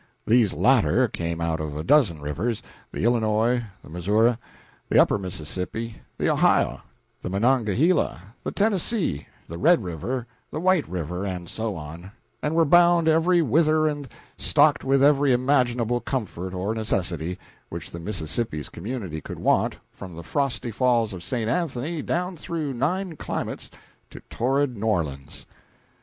These latter came out of a dozen rivers the Illinois, the Missouri, the Upper Mississippi, the Ohio, the Monongahela, the Tennessee, the Red River, the White River, and so on; and were bound every whither and stocked with every imaginable comfort or necessity which the Mississippi's communities could want, from the frosty Falls of St. Anthony down through nine climates to torrid New Orleans.